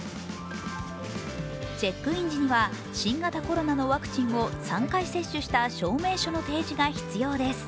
チェックイン時には新型コロナのワクチンを３回接種した証明書の提示が必要です。